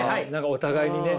お互いにね。